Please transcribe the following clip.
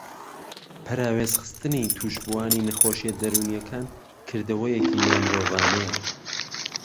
پەراوێزخستنی تووشبووانی نەخۆشییە دەروونیەکان کردەوەیەکی نامرۆڤانهیه